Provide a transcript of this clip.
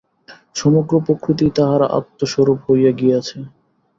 সমগ্র প্রকৃতিই তাঁহার আত্মস্বরূপ হইয়া গিয়াছে।